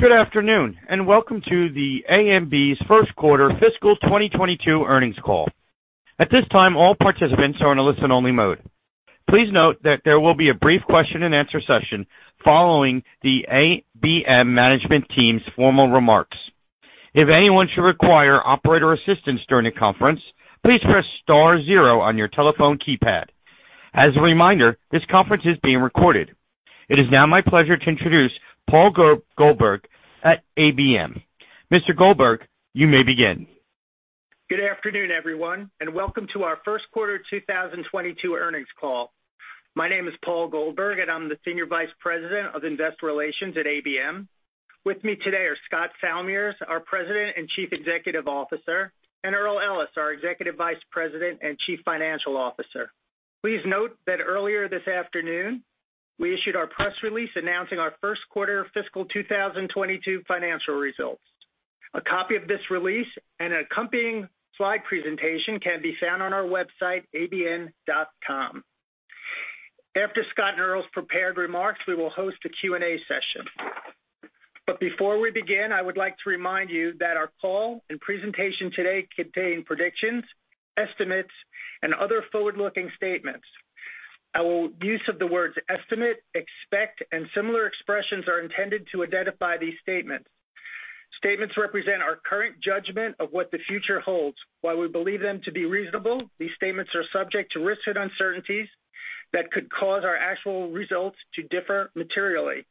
Good afternoon, and welcome to ABM's first quarter fiscal 2022 earnings call. At this time, all participants are in a listen-only mode. Please note that there will be a brief question-and-answer session following the ABM management team's formal remarks. If anyone should require operator assistance during the conference, please press star zero on your telephone keypad. As a reminder, this conference is being recorded. It is now my pleasure to introduce Paul Goldberg at ABM. Mr. Goldberg, you may begin. Good afternoon, everyone, and welcome to our first quarter 2022 earnings call. My name is Paul Goldberg, and I'm the Senior Vice President of Investor Relations at ABM. With me today are Scott Salmirs, our President and Chief Executive Officer, and Earl Ellis, our Executive Vice President and Chief Financial Officer. Please note that earlier this afternoon, we issued our press release announcing our first quarter fiscal 2022 financial results. A copy of this release and accompanying slide presentation can be found on our website, abm.com. After Scott and Earl's prepared remarks, we will host a Q&A session. Before we begin, I would like to remind you that our call and presentation today contain predictions, estimates, and other forward-looking statements. Our use of the words estimate, expect, and similar expressions are intended to identify these statements. Statements represent our current judgment of what the future holds. While we believe them to be reasonable, these statements are subject to risks and uncertainties that could cause our actual results to differ materially.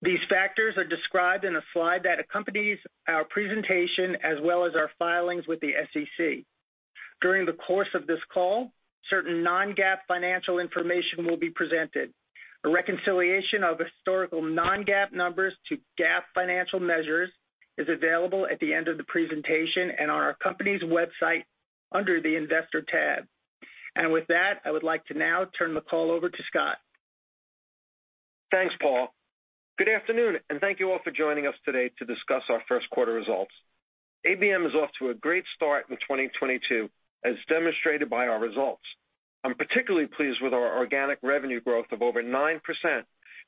These factors are described in a slide that accompanies our presentation as well as our filings with the SEC. During the course of this call, certain non-GAAP financial information will be presented. A reconciliation of historical non-GAAP numbers to GAAP financial measures is available at the end of the presentation and on our company's website under the Investor tab. With that, I would like to now turn the call over to Scott. Thanks, Paul. Good afternoon, and thank you all for joining us today to discuss our first quarter results. ABM is off to a great start in 2022 as demonstrated by our results. I'm particularly pleased with our organic revenue growth of over 9%,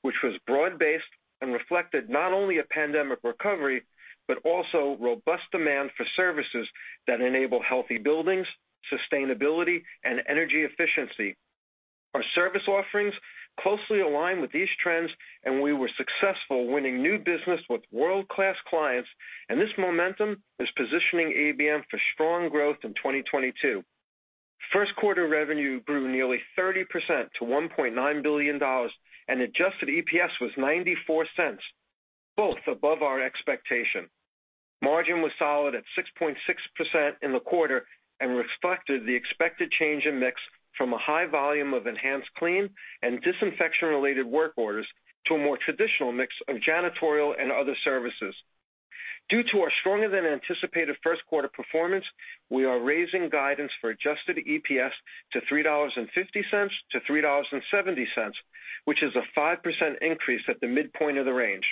which was broad-based and reflected not only a pandemic recovery, but also robust demand for services that enable healthy buildings, sustainability, and energy efficiency. Our service offerings closely align with these trends, and we were successful winning new business with world-class clients, and this momentum is positioning ABM for strong growth in 2022. First quarter revenue grew nearly 30% to $1.9 billion, and adjusted EPS was $0.94, both above our expectation. Margin was solid at 6.6% in the quarter and reflected the expected change in mix from a high volume of enhanced clean and disinfection-related work orders to a more traditional mix of janitorial and other services. Due to our stronger than anticipated first quarter performance, we are raising guidance for adjusted EPS to $3.50-$3.70, which is a 5% increase at the midpoint of the range.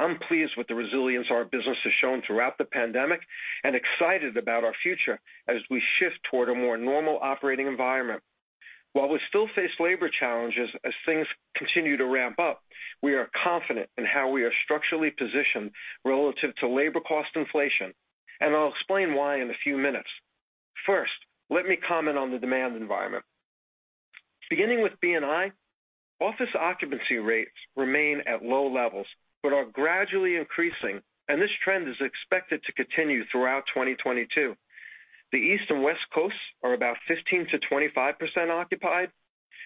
I'm pleased with the resilience our business has shown throughout the pandemic and excited about our future as we shift toward a more normal operating environment. While we still face labor challenges as things continue to ramp up, we are confident in how we are structurally positioned relative to labor cost inflation, and I'll explain why in a few minutes. First, let me comment on the demand environment. Beginning with B&I, office occupancy rates remain at low levels, but are gradually increasing, and this trend is expected to continue throughout 2022. The East and West Coasts are about 15%-25% occupied,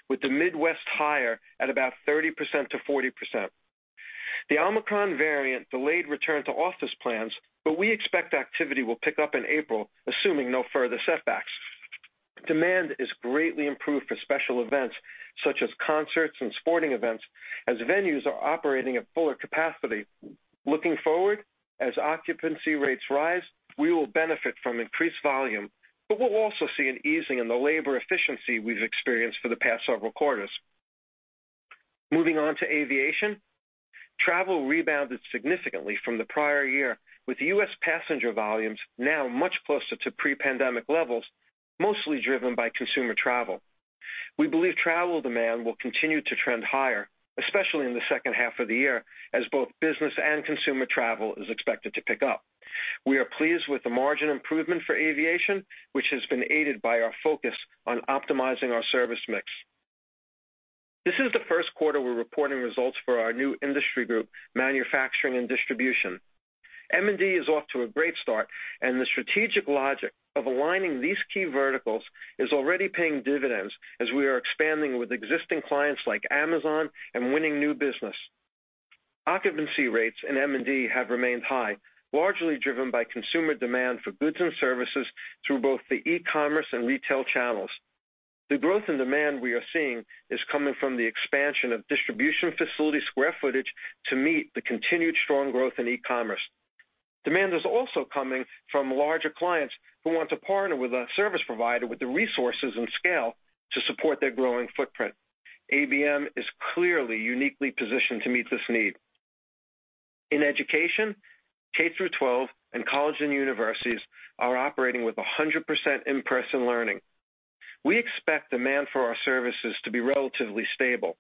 with the Midwest higher at about 30%-40%. The Omicron variant delayed return to office plans, but we expect activity will pick up in April, assuming no further setbacks. Demand is greatly improved for special events, such as concerts and sporting events, as venues are operating at fuller capacity. Looking forward, as occupancy rates rise, we will benefit from increased volume, but we'll also see an easing in the labor efficiency we've experienced for the past several quarters. Moving on to aviation. Travel rebounded significantly from the prior year, with U.S. passenger volumes now much closer to pre-pandemic levels, mostly driven by consumer travel. We believe travel demand will continue to trend higher, especially in the second half of the year, as both business and consumer travel is expected to pick up. We are pleased with the margin improvement for Aviation, which has been aided by our focus on optimizing our service mix. This is the first quarter we're reporting results for our new industry group, Manufacturing and Distribution. M&D is off to a great start, and the strategic logic of aligning these key verticals is already paying dividends as we are expanding with existing clients like Amazon and winning new business. Occupancy rates in M&D have remained high, largely driven by consumer demand for goods and services through both the e-commerce and retail channels. The growth in demand we are seeing is coming from the expansion of distribution facility square footage to meet the continued strong growth in e-commerce. Demand is also coming from larger clients who want to partner with a service provider with the resources and scale to support their growing footprint. ABM is clearly uniquely positioned to meet this need. In Education, K–12, and colleges and universities are operating with 100% in-person learning. We expect demand for our services to be relatively stable.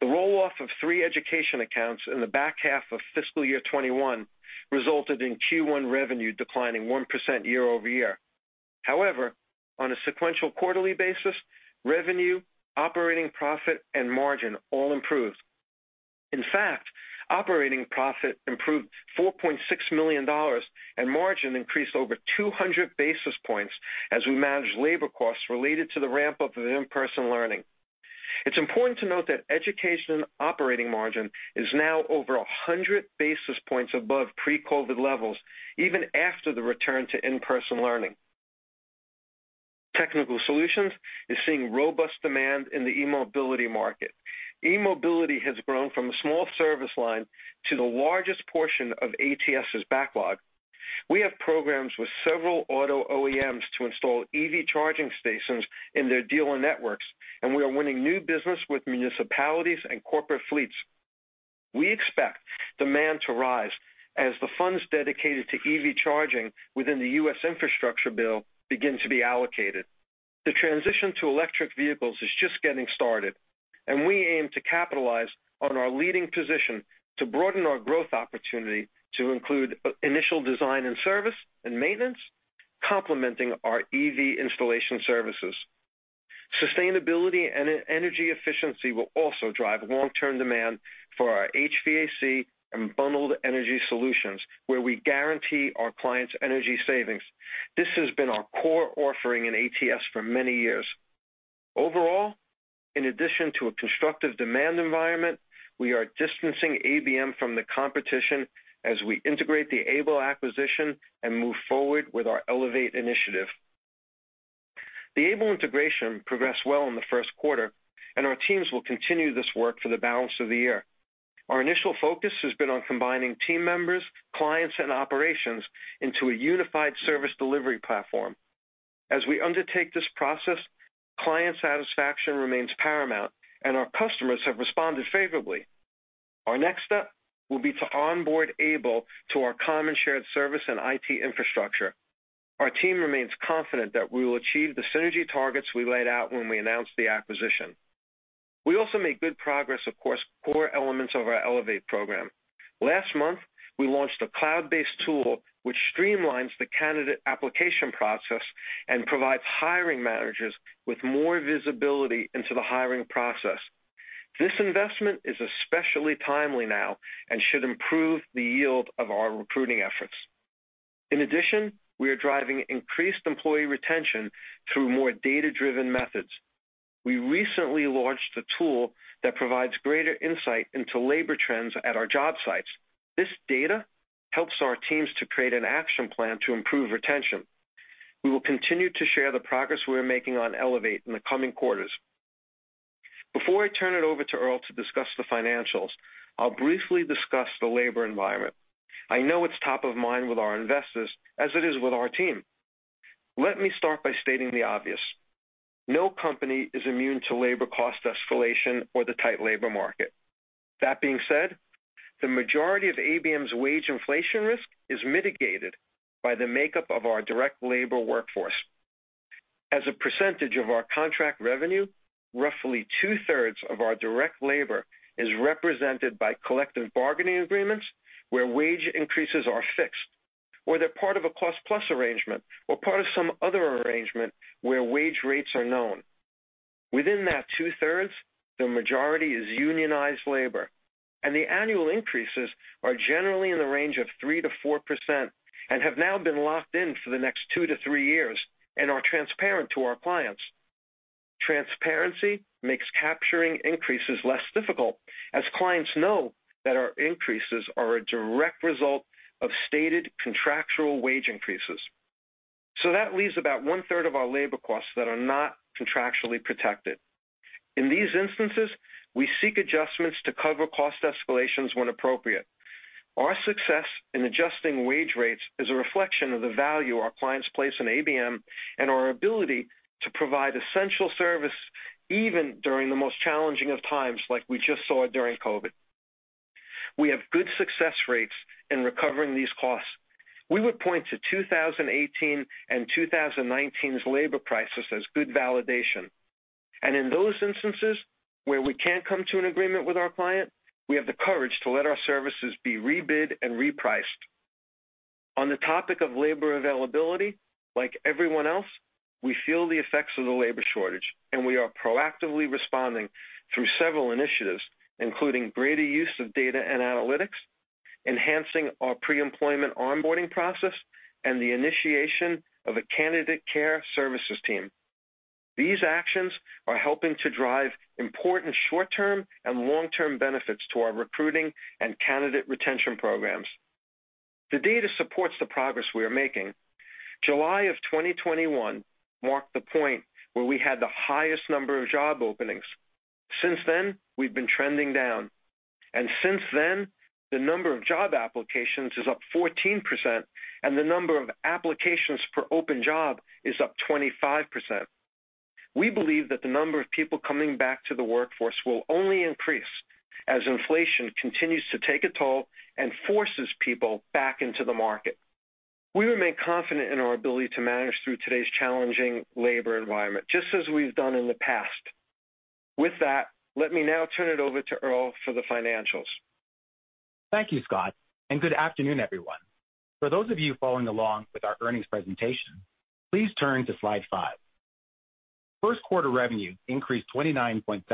The roll-off of three education accounts in the back half of fiscal year 2021 resulted in Q1 revenue declining 1% year-over-year. However, on a sequential quarterly basis, revenue, operating profit and margin all improved. In fact, operating profit improved $4.6 million and margin increased over 200 basis points as we managed labor costs related to the ramp-up of the in-person learning. It's important to note that education operating margin is now over 100 basis points above pre-COVID levels even after the return to in-person learning. Technical Solutions is seeing robust demand in the eMobility market. eMobility has grown from a small service line to the largest portion of ATS's backlog. We have programs with several auto OEMs to install EV charging stations in their dealer networks, and we are winning new business with municipalities and corporate fleets. We expect demand to rise as the funds dedicated to EV charging within the U.S. infrastructure bill begin to be allocated. The transition to electric vehicles is just getting started, and we aim to capitalize on our leading position to broaden our growth opportunity to include initial design and service and maintenance, complementing our EV installation services. Sustainability and energy efficiency will also drive long-term demand for our HVAC and Bundled Energy Solutions, where we guarantee our clients energy savings. This has been our core offering in ATS for many years. Overall, in addition to a constructive demand environment, we are distancing ABM from the competition as we integrate the Able acquisition and move forward with our ELEVATE initiative. The Able integration progressed well in the first quarter, and our teams will continue this work for the balance of the year. Our initial focus has been on combining team members, clients, and operations into a unified service delivery platform. As we undertake this process, client satisfaction remains paramount and our customers have responded favorably. Our next step will be to onboard Able to our common shared service and IT infrastructure. Our team remains confident that we will achieve the synergy targets we laid out when we announced the acquisition. We also made good progress across core elements of our ELEVATE program. Last month, we launched a cloud-based tool which streamlines the candidate application process and provides hiring managers with more visibility into the hiring process. This investment is especially timely now and should improve the yield of our recruiting efforts. In addition, we are driving increased employee retention through more data-driven methods. We recently launched a tool that provides greater insight into labor trends at our job sites. This data helps our teams to create an action plan to improve retention. We will continue to share the progress we are making on ELEVATE in the coming quarters. Before I turn it over to Earl to discuss the financials, I'll briefly discuss the labor environment. I know it's top of mind with our investors as it is with our team. Let me start by stating the obvious. No company is immune to labor cost escalation or the tight labor market. That being said, the majority of ABM's wage inflation risk is mitigated by the makeup of our direct labor workforce. As a percentage of our contract revenue, roughly 2/3 of our direct labor is represented by collective bargaining agreements where wage increases are fixed or they're part of a cost-plus arrangement or part of some other arrangement where wage rates are known. Within that 2/3, the majority is unionized labor, and the annual increases are generally in the range of 3%-4% and have now been locked in for the next two to three years and are transparent to our clients. Transparency makes capturing increases less difficult as clients know that our increases are a direct result of stated contractual wage increases. That leaves about 1/3 of our labor costs that are not contractually protected. In these instances, we seek adjustments to cover cost escalations when appropriate. Our success in adjusting wage rates is a reflection of the value our clients place in ABM and our ability to provide essential service even during the most challenging of times like we just saw during COVID. We have good success rates in recovering these costs. We would point to 2018 and 2019's labor prices as good validation. In those instances where we can't come to an agreement with our client, we have the courage to let our services be rebid and repriced. On the topic of labor availability, like everyone else, we feel the effects of the labor shortage, and we are proactively responding through several initiatives, including greater use of data and analytics, enhancing our pre-employment onboarding process, and the initiation of a candidate care services team. These actions are helping to drive important short-term and long-term benefits to our recruiting and candidate retention programs. The data supports the progress we are making. July 2021 marked the point where we had the highest number of job openings. Since then, we've been trending down. Since then, the number of job applications is up 14% and the number of applications per open job is up 25%. We believe that the number of people coming back to the workforce will only increase as inflation continues to take a toll and forces people back into the market. We remain confident in our ability to manage through today's challenging labor environment, just as we've done in the past. With that, let me now turn it over to Earl for the financials. Thank you, Scott, and good afternoon, everyone. For those of you following along with our earnings presentation, please turn to slide five. First quarter revenue increased 29.7%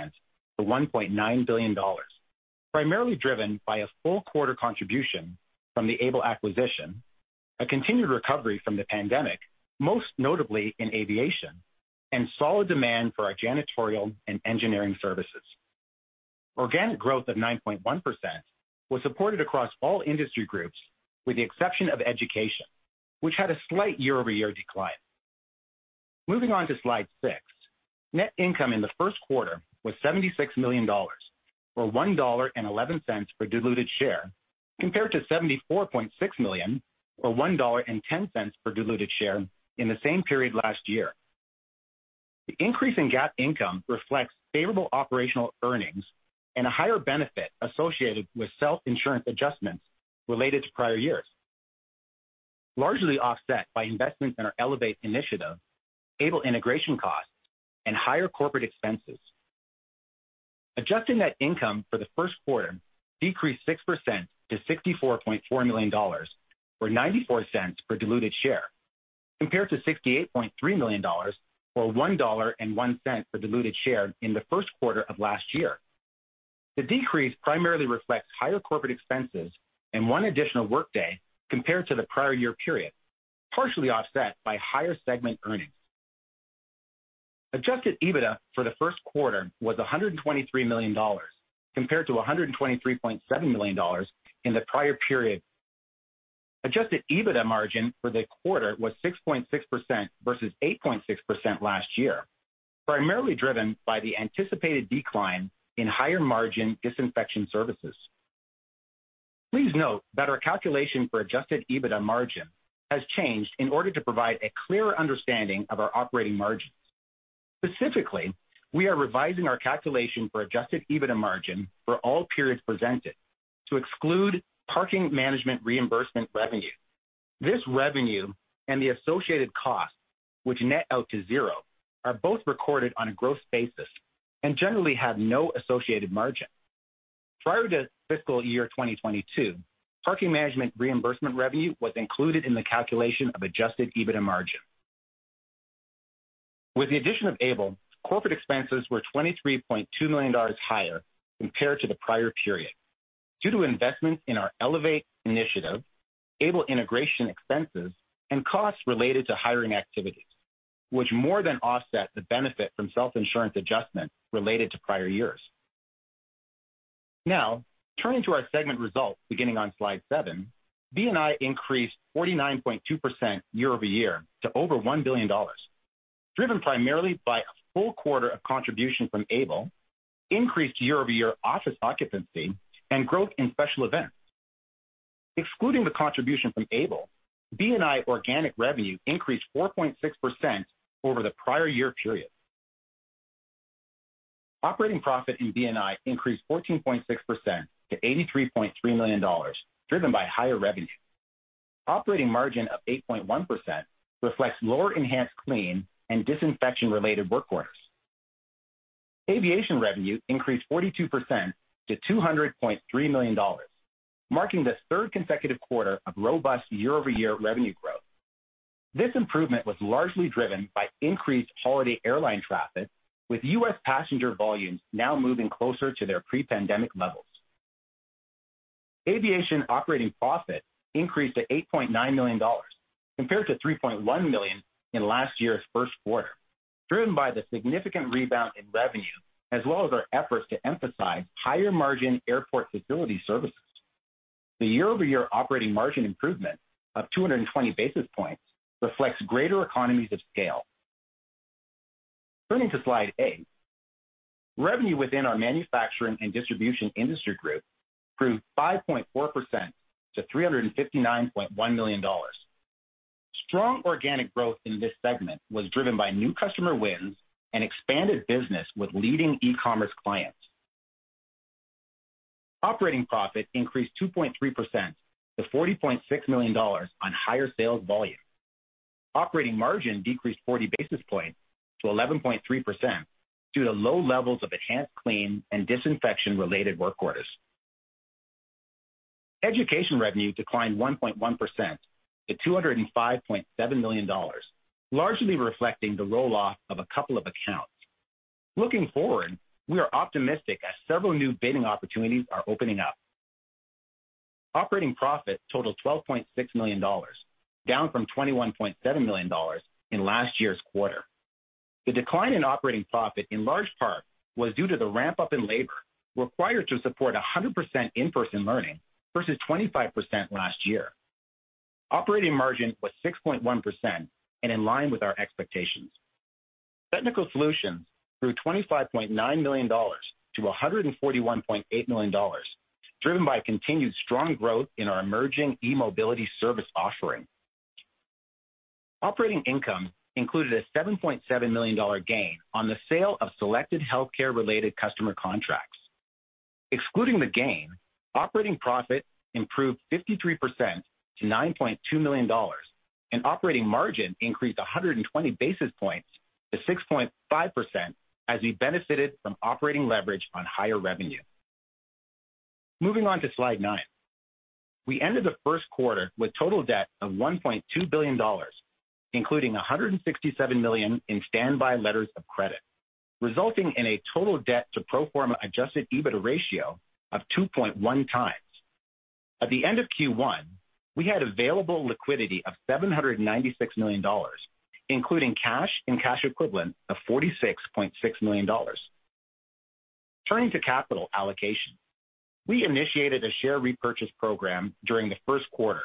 to $1.9 billion, primarily driven by a full quarter contribution from the Able acquisition, a continued recovery from the pandemic, most notably in Aviation, and solid demand for our janitorial and engineering services. Organic growth of 9.1% was supported across all Industry Groups, with the exception of Education, which had a slight year-over-year decline. Moving on to slide six. Net income in the first quarter was $76 million, or $1.11 per diluted share, compared to $74.6 million or $1.10 per diluted share in the same period last year. The increase in GAAP income reflects favorable operational earnings and a higher benefit associated with self-insurance adjustments related to prior years, largely offset by investments in our ELEVATE initiative, Able integration costs, and higher corporate expenses. Adjusted net income for the first quarter decreased 6% to $64.4 million, or $0.94 per diluted share, compared to $68.3 million or $1.01 per diluted share in the first quarter of last year. The decrease primarily reflects higher corporate expenses and one additional workday compared to the prior year period, partially offset by higher segment earnings. Adjusted EBITDA for the first quarter was $123 million, compared to $123.7 million in the prior period. Adjusted EBITDA margin for the quarter was 6.6% versus 8.6% last year, primarily driven by the anticipated decline in higher margin disinfection services. Please note that our calculation for adjusted EBITDA margin has changed in order to provide a clearer understanding of our operating margins. Specifically, we are revising our calculation for adjusted EBITDA margin for all periods presented to exclude parking management reimbursement revenue. This revenue and the associated costs which net out to zero are both recorded on a gross basis and generally have no associated margin. Prior to fiscal year 2022, parking management reimbursement revenue was included in the calculation of adjusted EBITDA margin. With the addition of Able, corporate expenses were $23.2 million higher compared to the prior period due to investments in our ELEVATE initiative, Able integration expenses, and costs related to hiring activities, which more than offset the benefit from self-insurance adjustments related to prior years. Now, turning to our segment results beginning on slide seven. B&I increased 49.2% year-over-year to over $1 billion, driven primarily by a full quarter of contribution from Able, increased year-over-year office occupancy, and growth in special events. Excluding the contribution from Able, B&I organic revenue increased 4.6% over the prior year period. Operating profit in B&I increased 14.6% to $83.3 million, driven by higher revenue. Operating margin of 8.1% reflects lower enhanced clean and disinfection-related work orders. Aviation revenue increased 42% to $200.3 million, marking the third consecutive quarter of robust year-over-year revenue growth. This improvement was largely driven by increased holiday airline traffic, with U.S. passenger volumes now moving closer to their pre-pandemic levels. Aviation operating profit increased to $8.9 million, compared to $3.1 million in last year's first quarter, driven by the significant rebound in revenue, as well as our efforts to emphasize higher margin airport facility services. The year-over-year operating margin improvement of 220 basis points reflects greater economies of scale. Turning to slide eight. Revenue within our Manufacturing and Distribution industry group grew 5.4% to $359.1 million. Strong organic growth in this segment was driven by new customer wins and expanded business with leading e-commerce clients. Operating profit increased 2.3% to $40.6 million on higher sales volume. Operating margin decreased 40 basis points to 11.3% due to low levels of enhanced clean and disinfection-related work orders. Education revenue declined 1.1% to $205.7 million, largely reflecting the roll-off of a couple of accounts. Looking forward, we are optimistic as several new bidding opportunities are opening up. Operating profit totaled $12.6 million, down from $21.7 million in last year's quarter. The decline in operating profit in large part was due to the ramp-up in labor required to support 100% in-person learning versus 25% last year. Operating margin was 6.1% and in line with our expectations. Technical Solutions grew $25.9 million to $141.8 million, driven by continued strong growth in our emerging eMobility service offering. Operating income included a $7.7 million gain on the sale of selected healthcare related customer contracts. Excluding the gain, operating profit improved 53% to $9.2 million, and operating margin increased 120 basis points to 6.5% as we benefited from operating leverage on higher revenue. Moving on to slide nine. We ended the first quarter with total debt of $1.2 billion, including $167 million in standby letters of credit, resulting in a total debt to pro forma adjusted EBITDA ratio of 2.1x. At the end of Q1, we had available liquidity of $796 million, including cash and cash equivalents of $46.6 million. Turning to capital allocation. We initiated a share repurchase program during the first quarter,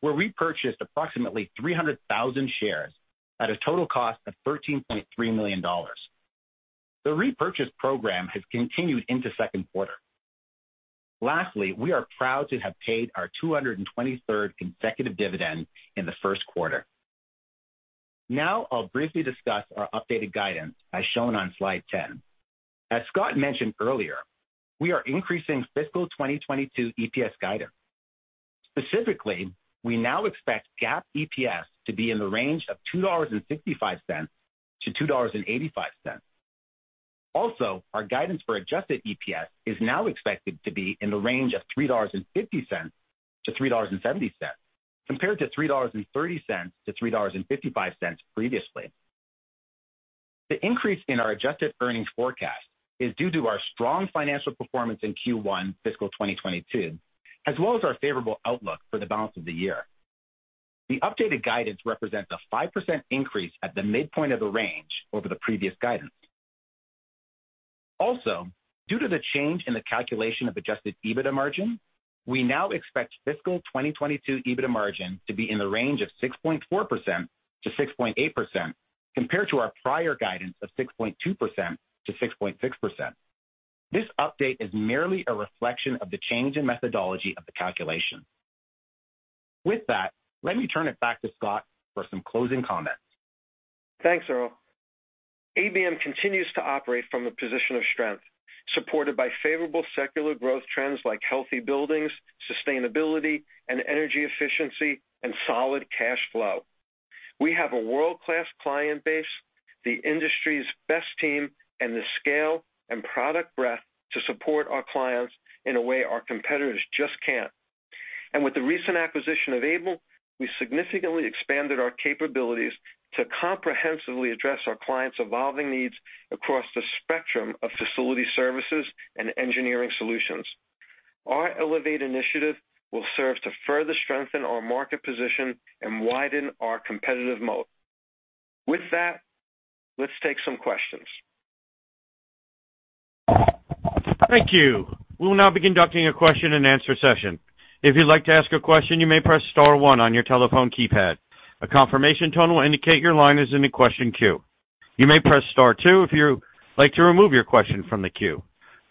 where we purchased approximately 300,000 shares at a total cost of $13.3 million. The repurchase program has continued into second quarter. Lastly, we are proud to have paid our 223rd consecutive dividend in the first quarter. Now I'll briefly discuss our updated guidance as shown on slide 10. As Scott mentioned earlier, we are increasing fiscal 2022 EPS guidance. Specifically, we now expect GAAP EPS to be in the range of $2.55-$2.85. Also, our guidance for adjusted EPS is now expected to be in the range of $3.50-$3.70, compared to $3.30-$3.55 previously. The increase in our adjusted earnings forecast is due to our strong financial performance in Q1 fiscal 2022, as well as our favorable outlook for the balance of the year. The updated guidance represents a 5% increase at the midpoint of the range over the previous guidance. Also, due to the change in the calculation of adjusted EBITDA margin, we now expect fiscal 2022 EBITDA margin to be in the range of 6.4%-6.8% compared to our prior guidance of 6.2%-6.6%. This update is merely a reflection of the change in methodology of the calculation. With that, let me turn it back to Scott for some closing comments. Thanks, Earl. ABM continues to operate from a position of strength, supported by favorable secular growth trends like healthy buildings, sustainability and energy efficiency, and solid cash flow. We have a world-class client base, the industry's best team, and the scale and product breadth to support our clients in a way our competitors just can't. With the recent acquisition of Able, we significantly expanded our capabilities to comprehensively address our clients' evolving needs across the spectrum of facility services and engineering solutions. Our ELEVATE initiative will serve to further strengthen our market position and widen our competitive moat. With that, let's take some questions. Thank you. We'll now be conducting a question and answer session. If you'd like to ask a question, you may press star one on your telephone keypad. A confirmation tone will indicate your line is in the question queue. You may press star two if you like to remove your question from the queue.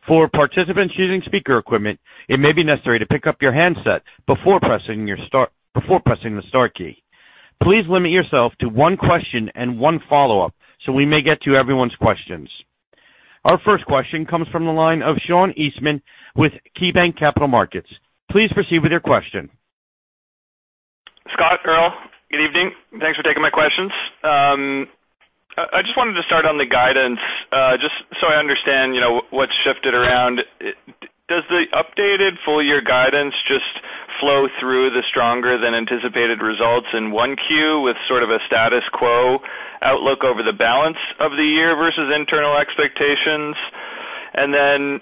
For participants using speaker equipment, it may be necessary to pick up your handset before pressing the star key. Please limit yourself to one question and one follow-up so we may get to everyone's questions. Our first question comes from the line of Sean Eastman with KeyBanc Capital Markets. Please proceed with your question. Scott, Earl, good evening. Thanks for taking my questions. I just wanted to start on the guidance, just so I understand, you know, what's shifted around. Does the updated full year guidance just flow through the stronger than anticipated results in 1Q with sort of a status quo outlook over the balance of the year versus internal expectations? And then,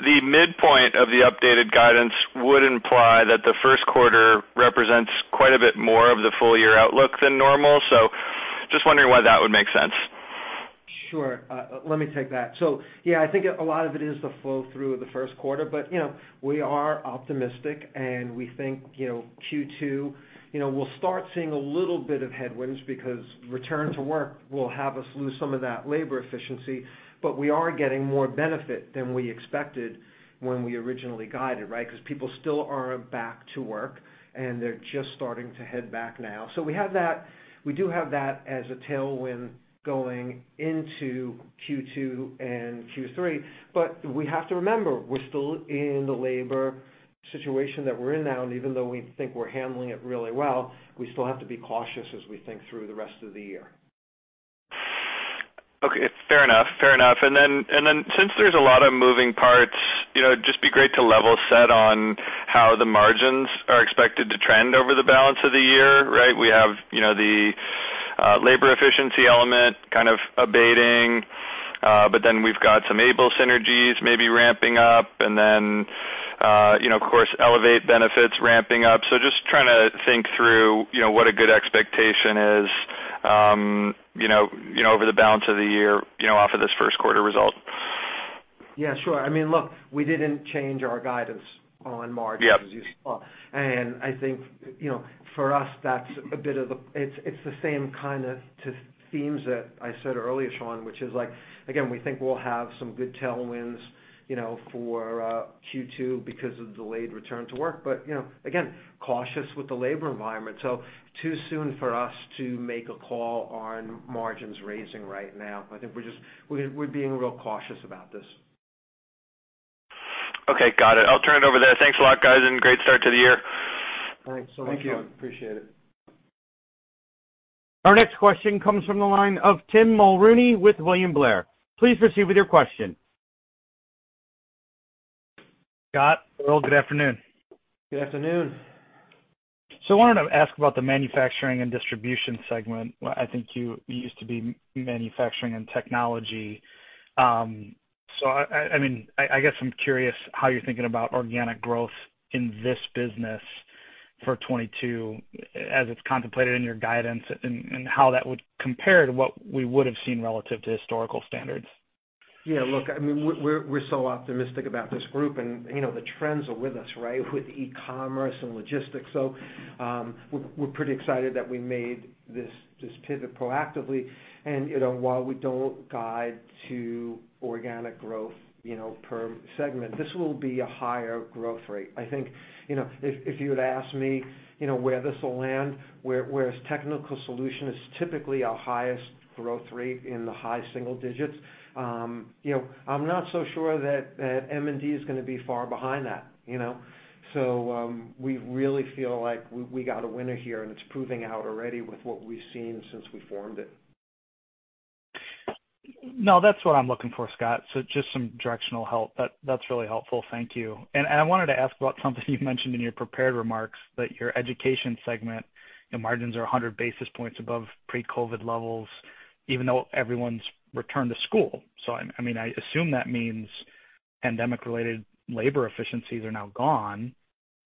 the midpoint of the updated guidance would imply that the first quarter represents quite a bit more of the full year outlook than normal. Just wondering why that would make sense. Sure. Let me take that. Yeah, I think a lot of it is the flow through of the first quarter, but, you know, we are optimistic, and we think, you know, Q2, you know, we'll start seeing a little bit of headwinds because return to work will have us lose some of that labor efficiency. We are getting more benefit than we expected when we originally guided, right? Because people still aren't back to work, and they're just starting to head back now. We do have that as a tailwind going into Q2 and Q3, but we have to remember, we're still in the labor situation that we're in now. Even though we think we're handling it really well, we still have to be cautious as we think through the rest of the year. Okay. Fair enough. Since there's a lot of moving parts, you know, it'd just be great to level set on how the margins are expected to trend over the balance of the year, right? We have, you know, the labor efficiency element kind of abating, but then we've got some Able synergies maybe ramping up, and then, you know, of course, ELEVATE benefits ramping up. Just trying to think through, you know, what a good expectation is, you know, over the balance of the year, you know, off of this first quarter result. Yeah, sure. I mean, look, we didn't change our guidance on margins, as you saw. I think, you know, for us, that's a bit of the, it's the same kind of just themes that I said earlier, Sean, which is like, again, we think we'll have some good tailwinds, you know, for Q2 because of the delayed return to work. You know, again, cautious with the labor environment. Too soon for us to make a call on margins raising right now. I think we're just being real cautious about this. Okay, got it. I'll turn it over there. Thanks a lot, guys, and great start to the year. Thanks so much. Thank you. Appreciate it. Our next question comes from the line of Tim Mulrooney with William Blair. Please proceed with your question. Scott, Earl, good afternoon. Good afternoon. I wanted to ask about the Manufacturing and Distribution segment. Well, I think you used to be Manufacturing and Technology. I mean, I guess I'm curious how you're thinking about organic growth in this business for 2022 as it's contemplated in your guidance and how that would compare to what we would have seen relative to historical standards. Yeah, look, I mean, we're so optimistic about this group, and, you know, the trends are with us, right? With e-commerce and logistics. We're pretty excited that we made this pivot proactively. You know, while we don't guide to organic growth, you know, per segment, this will be a higher growth rate. I think, you know, if you were to ask me, you know, where this will land, whereas Technical Solutions is typically our highest growth rate in the high single digits, you know, I'm not so sure that M&D is gonna be far behind that, you know? We really feel like we got a winner here, and it's proving out already with what we've seen since we formed it. No, that's what I'm looking for, Scott. Just some directional help. That's really helpful. Thank you. I wanted to ask about something you mentioned in your prepared remarks, that your Education segment, your margins are 100 basis points above pre-COVID levels, even though everyone's returned to school. I mean, I assume that means pandemic-related labor efficiencies are now gone.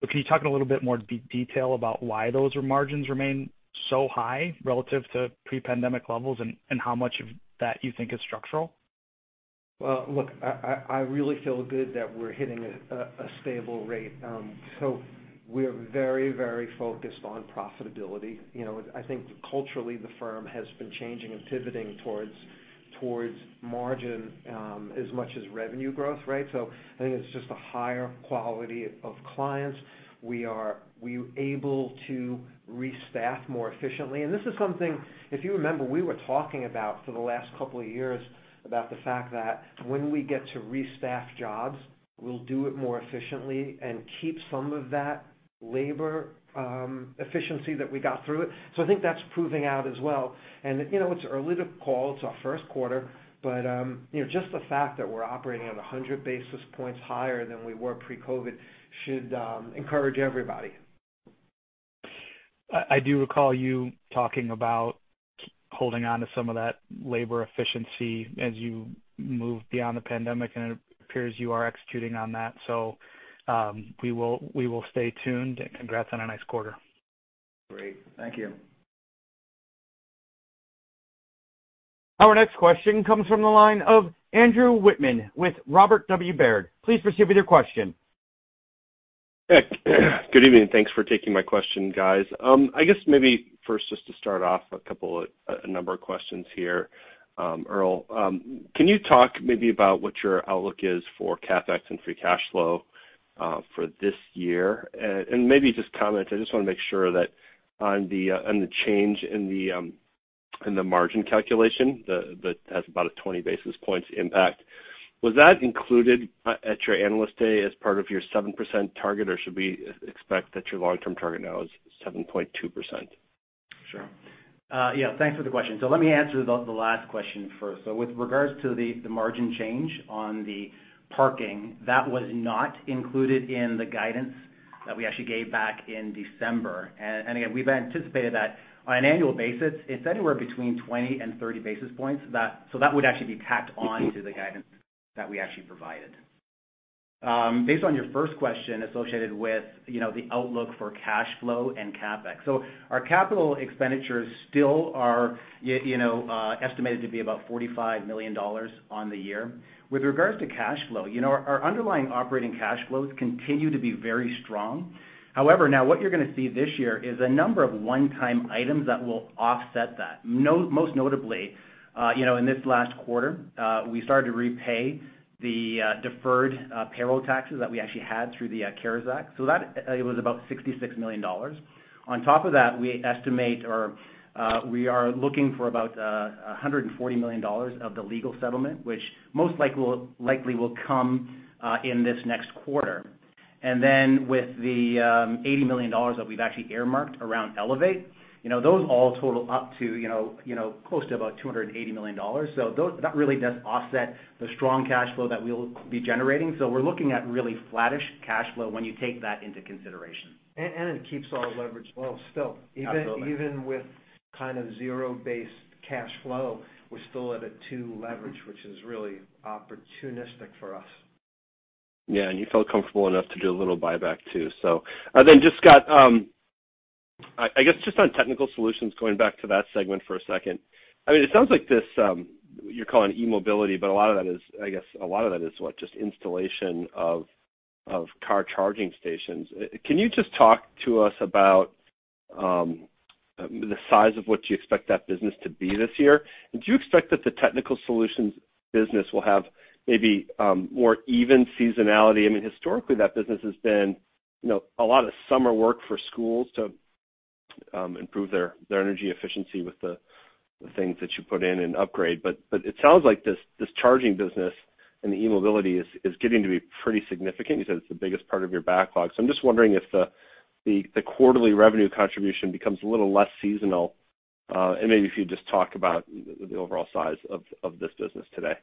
Can you talk in a little bit more detail about why those margins remain so high relative to pre-pandemic levels and how much of that you think is structural? Well, look, I really feel good that we're hitting a stable rate. We're very focused on profitability. You know, I think culturally, the firm has been changing and pivoting towards margin as much as revenue growth, right? I think it's just a higher quality of clients. We're able to re-staff more efficiently. This is something, if you remember, we were talking about for the last couple of years about the fact that when we get to re-staff jobs, we'll do it more efficiently and keep some of that labor efficiency that we got through it. I think that's proving out as well. You know, it's early to call. It's our first quarter, but, you know, just the fact that we're operating at 100 basis points higher than we were pre-COVID should encourage everybody. I do recall you talking about holding on to some of that labor efficiency as you move beyond the pandemic, and it appears you are executing on that. We will stay tuned. Congrats on a nice quarter. Great. Thank you. Our next question comes from the line of Andrew Wittmann with Robert W. Baird. Please proceed with your question. Good evening. Thanks for taking my question, guys. I guess maybe first, just to start off, a number of questions here. Earl, can you talk maybe about what your outlook is for CapEx and free cash flow for this year? And maybe just comment, I just wanna make sure that on the change in the margin calculation, that has about a 20 basis points impact. Was that included at your Analyst Day as part of your 7% target, or should we expect that your long-term target now is 7.2%? Sure. Yeah, thanks for the question. Let me answer the last question first. With regards to the margin change on the parking, that was not included in the guidance that we actually gave back in December. And again, we've anticipated that on an annual basis, it's anywhere between 20 and 30 basis points. That would actually be tacked on to the guidance that we actually provided. Based on your first question associated with you know the outlook for cash flow and CapEx, our capital expenditures still are you know estimated to be about $45 million on the year. With regards to cash flow, you know, our underlying operating cash flows continue to be very strong. However, now what you're gonna see this year is a number of one-time items that will offset that. Most notably, you know, in this last quarter, we started to repay the deferred payroll taxes that we actually had through the CARES Act. That was about $66 million. On top of that, we estimate we are looking for about $140 million of the legal settlement, which likely will come in this next quarter. Then with the $80 million that we've actually earmarked around ELEVATE, you know, those all total up to close to about $280 million. That really does offset the strong cash flow that we'll be generating. We're looking at really flattish cash flow when you take that into consideration. It keeps all leverage low still. Absolutely. Even with kind of zero-based cash flow, we're still at a two leverage, which is really opportunistic for us. Yeah, you felt comfortable enough to do a little buyback too. Scott, I guess just on Technical Solutions, going back to that segment for a second. I mean, it sounds like this, you're calling eMobility, but a lot of that is, I guess, a lot of that is what? Just installation of car charging stations. Can you just talk to us about the size of what you expect that business to be this year? Do you expect that the Technical Solutions business will have maybe more even seasonality? I mean, historically, that business has been, you know, a lot of summer work for schools to improve their energy efficiency with the things that you put in and upgrade. It sounds like this charging business and the eMobility is getting to be pretty significant. You said it's the biggest part of your backlog. I'm just wondering if the quarterly revenue contribution becomes a little less seasonal, and maybe if you just talk about the overall size of this business today.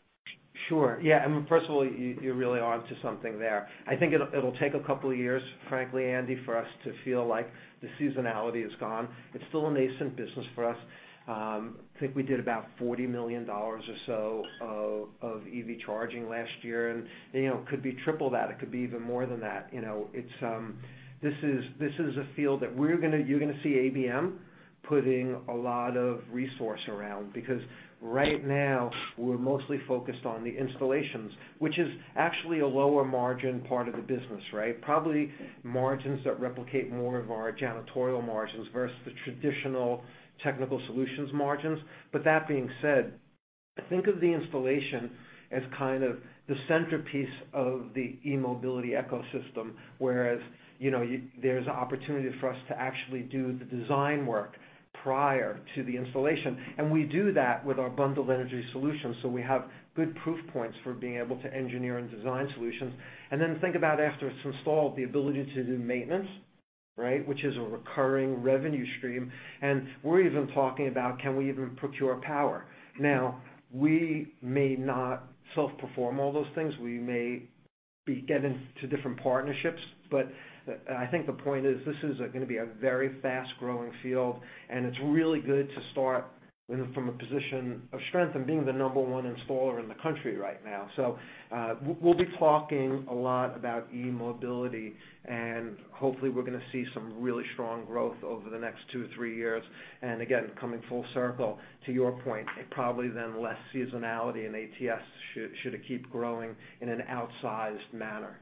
Sure. Yeah. I mean, first of all, you're really onto something there. I think it'll take a couple of years, frankly, Andy, for us to feel like the seasonality is gone. It's still a nascent business for us. I think we did about $40 million or so of EV charging last year. You know, could be triple that. It could be even more than that. You know, it's a field that you're gonna see ABM putting a lot of resource around because right now we're mostly focused on the installations, which is actually a lower margin part of the business, right? Probably margins that replicate more of our janitorial margins versus the traditional Technical Solutions margins. That being said, think of the installation as kind of the centerpiece of the eMobility ecosystem, whereas, you know, there's opportunity for us to actually do the design work prior to the installation. We do that with our Bundled Energy Solutions, so we have good proof points for being able to engineer and design solutions. Then think about after it's installed, the ability to do maintenance, right? Which is a recurring revenue stream. We're even talking about, can we even procure power. Now, we may not self-perform all those things. We may get into different partnerships. I think the point is this is gonna be a very fast-growing field, and it's really good to start, you know, from a position of strength and being the number one installer in the country right now. We'll be talking a lot about eMobility, and hopefully, we're gonna see some really strong growth over the next two to three years. Again, coming full circle to your point, it probably then less seasonality in ATS should it keep growing in an outsized manner.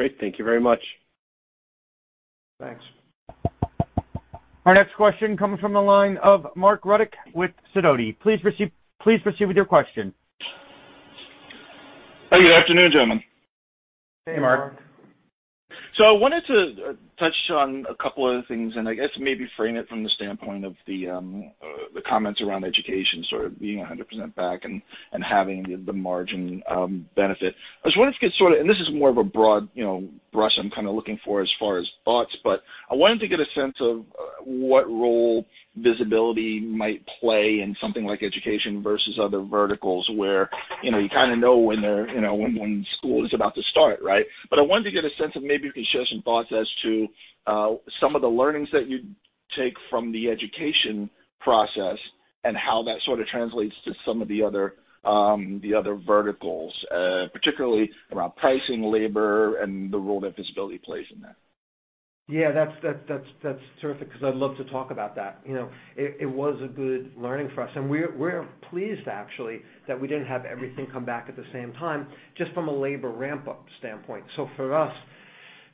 Great. Thank you very much. Thanks. Our next question comes from the line of Marc Riddick with Sidoti. Please proceed with your question. Hey, good afternoon, gentlemen. Hey, Mark. I wanted to touch on a couple other things, and I guess maybe frame it from the standpoint of the comments around Education sort of being 100% back and having the margin benefit. I just wanted to get sort of. This is more of a broad, you know, brush I'm kinda looking for as far as thoughts. I wanted to get a sense of what role visibility might play in something like Education versus other verticals where, you know, you kinda know when they're, you know, when school is about to start, right? I wanted to get a sense of maybe if you could share some thoughts as to some of the learnings that you take from the Education process and how that sort of translates to some of the other verticals, particularly around pricing, labor, and the role that visibility plays in that. Yeah. That's terrific 'cause I'd love to talk about that. You know, it was a good learning for us. We're pleased actually that we didn't have everything come back at the same time, just from a labor ramp-up standpoint. For us,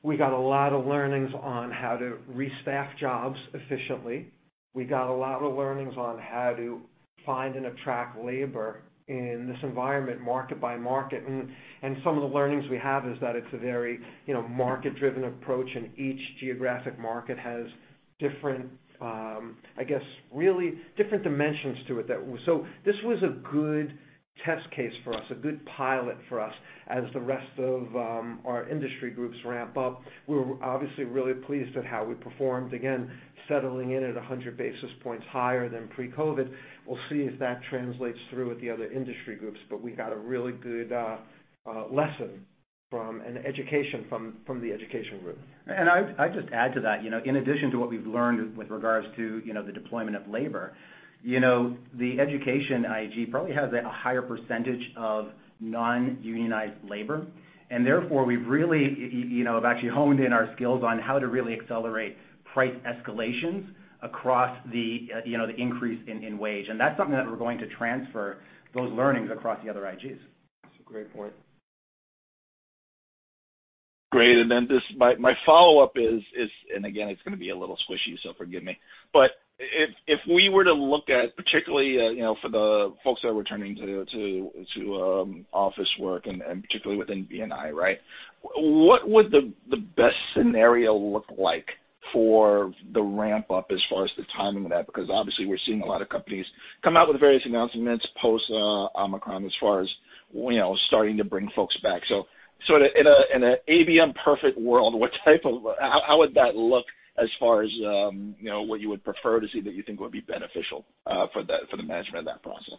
we got a lot of learnings on how to re-staff jobs efficiently. We got a lot of learnings on how to find and attract labor in this environment market by market. Some of the learnings we have is that it's a very, you know, market-driven approach, and each geographic market has different, I guess, really different dimensions to it. This was a good test case for us, a good pilot for us as the rest of our Industry Groups ramp up. We're obviously really pleased at how we performed, again, settling in at 100 basis points higher than pre-COVID. We'll see if that translates through with the other industry groups. We got a really good lesson from the Education group. I'd just add to that. You know, in addition to what we've learned with regards to, you know, the deployment of labor, you know, the Education IG probably has a higher percentage of non-unionized labor. Therefore, we've really, you know, have actually honed in our skills on how to really accelerate price escalations across the, you know, the increase in wage. That's something that we're going to transfer those learnings across the other IGs. That's a great point. Great. Just my follow-up is, and again, it's gonna be a little squishy, so forgive me. If we were to look at, particularly, you know, for the folks that are returning to office work and particularly within B&I, right? What would the best scenario look like for the ramp-up as far as the timing of that? Because obviously we're seeing a lot of companies come out with various announcements post Omicron as far as, you know, starting to bring folks back. Sorta in a ABM perfect world, how would that look as far as, you know, what you would prefer to see that you think would be beneficial for the management of that process?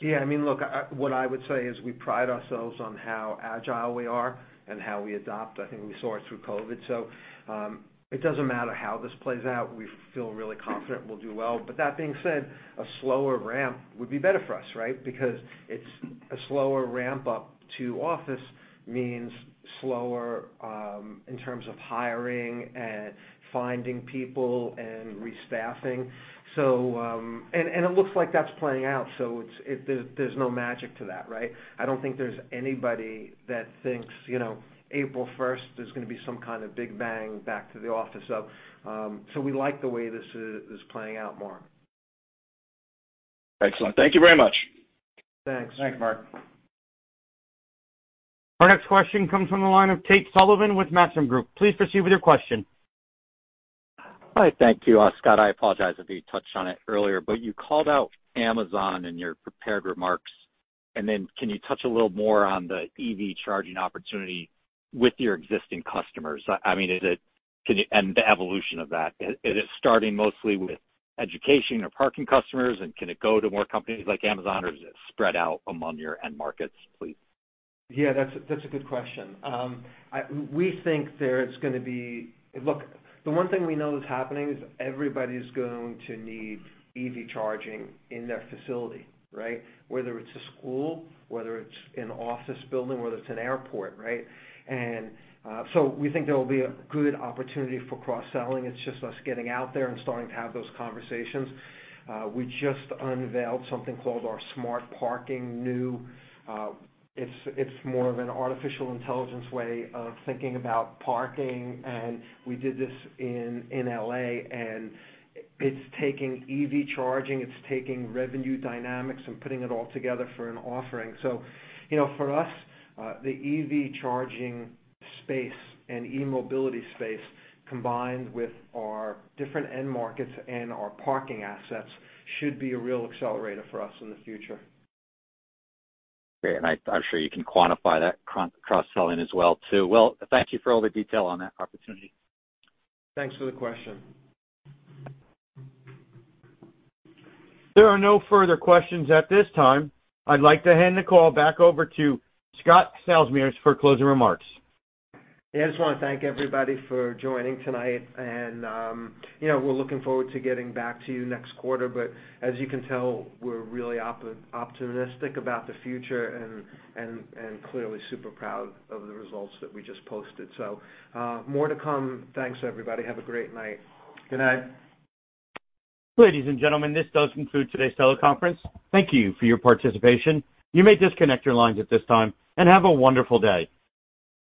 Yeah. I mean, look, what I would say is we pride ourselves on how agile we are and how we adopt. I think we saw it through COVID. It doesn't matter how this plays out, we feel really confident we'll do well. But that being said, a slower ramp would be better for us, right? Because it's a slower ramp up to office means slower in terms of hiring and finding people and re-staffing. It looks like that's playing out, so there's no magic to that, right? I don't think there's anybody that thinks, you know, April first there's gonna be some kind of big bang back to the office. We like the way this is playing out more. Excellent. Thank you very much. Thanks. Thanks, Mark. Our next question comes from the line of Tate Sullivan with Maxim Group. Please proceed with your question. Hi. Thank you. Scott, I apologize if you touched on it earlier, but you called out Amazon in your prepared remarks. Can you touch a little more on the EV charging opportunity with your existing customers? I mean, the evolution of that. Is it starting mostly with education or parking customers, and can it go to more companies like Amazon? Or is it spread out among your end markets, please? Yeah, that's a good question. We think there's gonna be. Look, the one thing we know is happening is everybody's going to need EV charging in their facility, right? Whether it's a school, whether it's an office building, whether it's an airport, right? We think there will be a good opportunity for cross-selling. It's just us getting out there and starting to have those conversations. We just unveiled something called our smart parking new. It's more of an artificial intelligence way of thinking about parking, and we did this in L.A. It's taking EV charging, it's taking revenue dynamics and putting it all together for an offering. You know, for us, the EV charging space and eMobility space combined with our different end markets and our parking assets should be a real accelerator for us in the future. Great. I'm sure you can quantify that cross-selling as well too. Well, thank you for all the detail on that opportunity. Thanks for the question. There are no further questions at this time. I'd like to hand the call back over to Scott Salmirs for closing remarks. Yeah, I just wanna thank everybody for joining tonight and we're looking forward to getting back to you next quarter. As you can tell, we're really optimistic about the future and clearly super proud of the results that we just posted. More to come. Thanks, everybody. Have a great night. Good night. Ladies and gentlemen, this does conclude today's teleconference. Thank you for your participation. You may disconnect your lines at this time, and have a wonderful day.